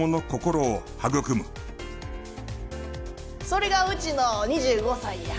それがうちの２５歳や。